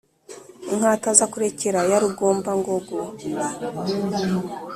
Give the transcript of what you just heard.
Inkatazakurekera ya Rugombangogo